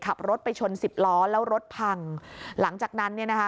ขับรถไปชนสิบล้อแล้วรถพังหลังจากนั้นเนี่ยนะคะ